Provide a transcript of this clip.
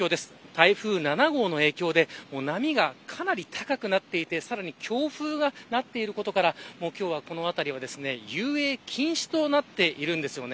台風７号の影響で波がかなり高くなっていてさらに強風になっていることから今日はこの辺りは遊泳禁止となっています。